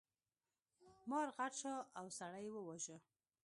مار غټ شو او سړی یې وواژه.